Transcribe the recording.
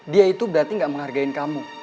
dia itu berarti gak menghargai kamu